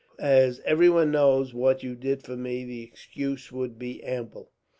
As everyone knows what you did for me, the excuse would be ample.